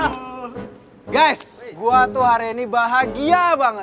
bro semua trik udah punya